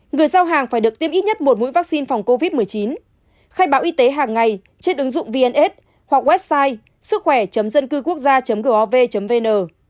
người giao hàng phải được tiêm ít nhất một mũi vaccine phòng covid một mươi chín khai báo y tế hàng ngày trên ứng dụng vns hoặc website sứckhỏe dâncưquốc gia gov vn